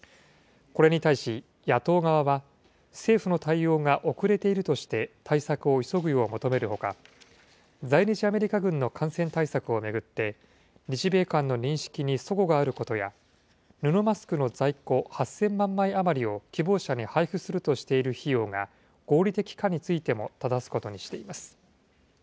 これに対し野党側は、政府の対応が遅れているとして対策を急ぐよう求めるほか、在日アメリカ軍の感染対策を巡って、日米間の認識にそごがあることや、布マスクの在庫８０００万枚余りを希望者に配布するとしている費用が合理的かについてもただすことにしています。